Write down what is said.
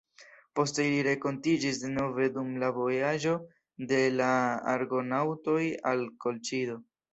Poste ili renkontiĝis denove dum la vojaĝo de la argonaŭtoj al Kolĉido.